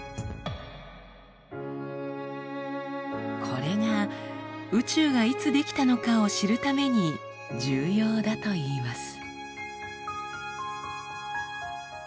これが宇宙がいつ出来たのかを知るために重要だといいます。